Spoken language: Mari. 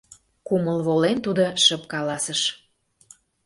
— кумыл волен, тудо шып каласыш.